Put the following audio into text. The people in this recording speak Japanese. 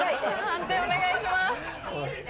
判定お願いします。